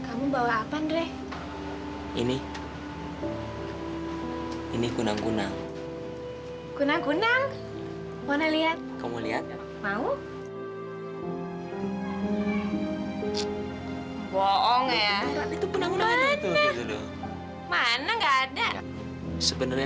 sampai jumpa di video selanjutnya